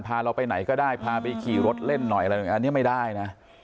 พาเราไปไหนก็ได้พาไปขี่รถเล่นหน่อยอะไรอันนี้ไม่ได้นะ